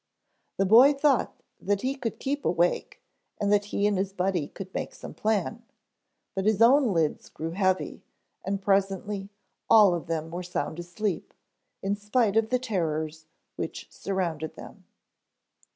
The boy thought that he could keep awake and that he and his buddy could make some plan, but his own lids grew heavy and presently all of them were sound asleep, in spite of the terrors which surrounded them.